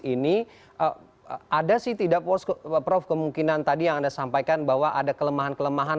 ini ada sih tidak prof kemungkinan tadi yang anda sampaikan bahwa ada kelemahan kelemahan